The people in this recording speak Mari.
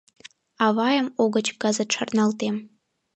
...Авайым угыч кызыт шарналтем.